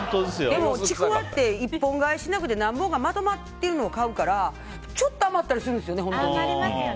でも、ちくわって１本買いしなくて何本かまとまってるのを買うからちょっと余ったりするんですよね